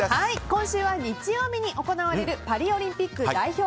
今週は日曜日に行われるパリオリンピック代表